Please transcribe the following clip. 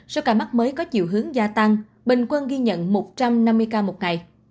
số ca mắc mới có chiều hướng gia tăng bình quân ghi nhận một trăm năm mươi ca một ngày